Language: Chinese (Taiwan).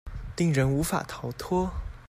令人無法逃脫